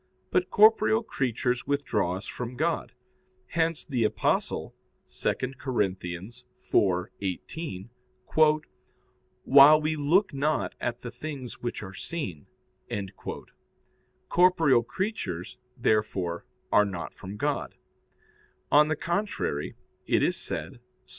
But corporeal creatures withdraw us from God. Hence the Apostle (2 Cor. 4:18): "While we look not at the things which are seen." Corporeal creatures, therefore, are not from God. On the contrary, It is said (Ps.